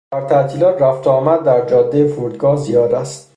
در تعطیلات رفت و آمد در جادهی فرودگاه زیاد است.